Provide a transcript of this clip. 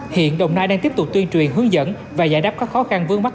hiện đồng nai đang tiếp tục tuyên truyền hướng dẫn và giải đáp các khó khăn vướng mắt